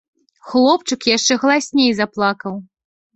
Хлопчык яшчэ галасней заплакаў.